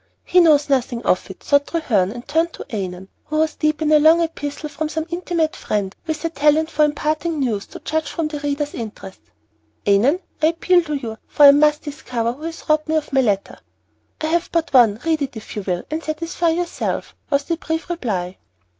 He knows nothing of it, thought Treherne, and turned to Annon, who was deep in a long epistle from some intimate friend, with a talent for imparting news, to judge from the reader's interest. "Annon, I appeal to you, for I must discover who has robbed me of my letter." "I have but one, read it, if you will, and satisfy yourself" was the brief reply.